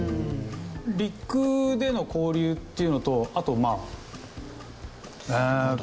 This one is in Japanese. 陸での交流っていうのとあとまあ。